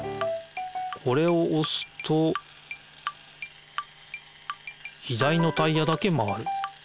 これをおすと左のタイヤだけ回る。